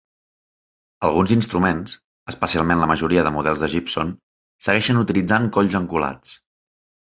Alguns instruments (especialment la majoria de models de Gibson) segueixen utilitzant colls encolats.